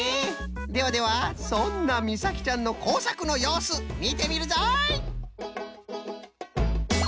ではではそんなみさきちゃんのこうさくのようすみてみるぞい！